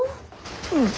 うん。